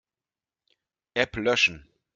App löschen.